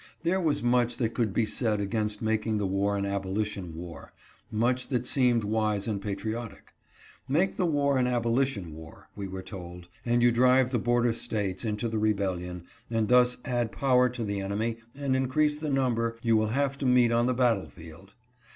There was much that could be said against making the war an abolition war — much that seemed wise and patriotic. " Make the war an abo lition war," we were told, " and you drive the border States into the rebellion, and thus add power to the enemy and increase the number you will have to meet on the battle field.